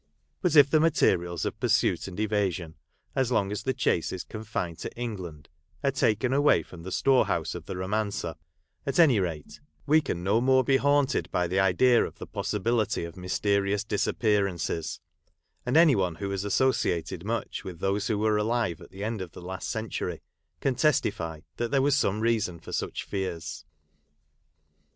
But if the materials of pursuit and evasion, as long as the chase is confined to England, are taken away from the store house of the romancer, at any rate we can no more be haunted by the idea of the possibility of mysterious disappearances ; and any one who has associated much with those who were alive at the end of the last century, can testify that there was some reason for such fears.